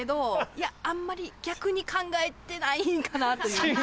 いやあんまり逆に考えてないんかなという。